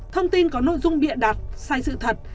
thông tin có nội dung bịa đặt sai sự thật